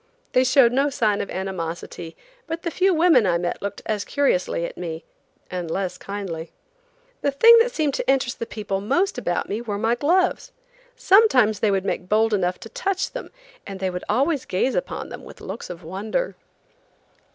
They showed no sign of animosity, but the few women I met looked as curiously at me, and less kindly. The thing that seemed to interest the people most about me were my gloves. Sometimes they would make bold enough to touch them, and they would always gaze upon them with looks of wonder.